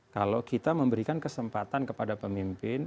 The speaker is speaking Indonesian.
kalau kita memberikan kesempatan kepada pemimpin